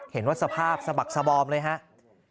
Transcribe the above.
เห็นว่าสภาพสะบักสบอมเลยครับ